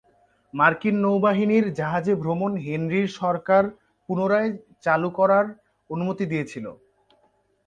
মার্কিন নৌবাহিনীর জাহাজের ভ্রমণ হেনরির সরকার পুনরায় চালু করার অনুমতি দিয়েছিল।